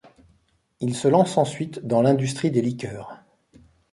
Il se lance ensuite dans l'industrie des liqueurs.